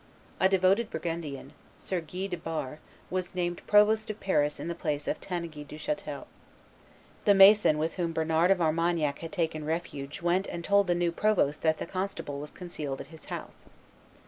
A devoted Burgundian, Sire Guy de Bar, was named provost of Paris in the place of Tanneguy Duchatel. The mason with whom Bernard of Armagnac had taken refuge went and told the new provost that the constable was concealed at his house.